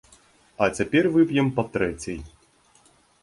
А цяпер вып'ем па трэцяй!